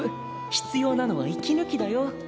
必要なのは息ぬきだよ。